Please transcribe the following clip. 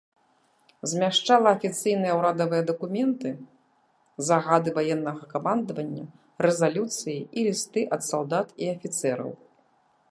Змяшчала афіцыйныя ўрадавыя дакументы, загады ваеннага камандавання, рэзалюцыі і лісты ад салдат і афіцэраў.